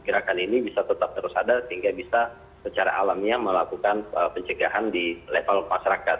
gerakan ini bisa tetap terus ada sehingga bisa secara alamiah melakukan pencegahan di level masyarakat